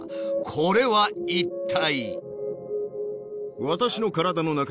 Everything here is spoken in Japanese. これは一体。